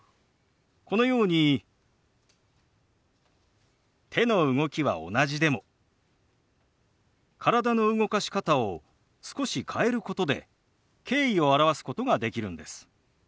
このように手の動きは同じでも体の動かし方を少し変えることで敬意を表すことができるんです。